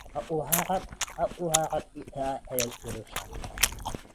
Aku harap tidak ada yang dirusak.